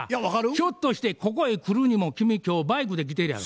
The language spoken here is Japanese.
ひょっとしてここへ来るにも君今日バイクで来てるやろ。